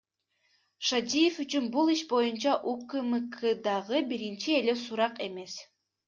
Шадиев үчүн бул иш боюнча УКМКдагы биринчи эле сурак эмес.